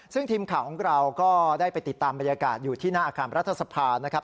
ซึ่งทีมข่าวของเราก็ได้ไปติดตามบรรยากาศอยู่ที่หน้าอาคารรัฐสภานะครับ